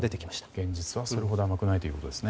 現実はそれほど甘くないということですね。